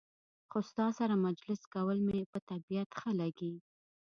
خو ستا سره مجلس کول مې په طبیعت ښه لګي.